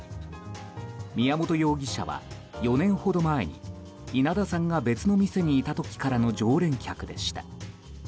宮本容疑者は、４年ほど前に稲田さんが別の店にいた時からの常連客でした。